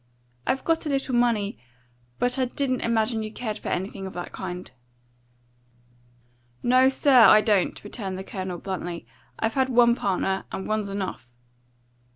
"I've got a little money, but I didn't imagine you cared for anything of that kind." "No, sir, I don't," returned the Colonel bluntly. "I've had one partner, and one's enough."